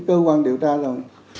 cơ quan điều tra rồi